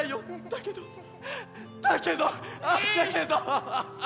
だけどだけどああだけど。